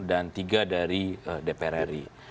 dan tiga dari dpr ri